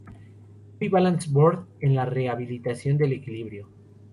Wii balance Board en la rehabilitación del equilibrio